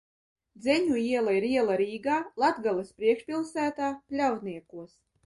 Dzeņu iela ir iela Rīgā, Latgales priekšpilsētā, Pļavniekos.